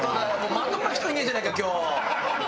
まともな人いねえじゃねえか今日。